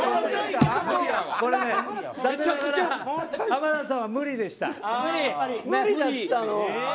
浜田さんは無理でした。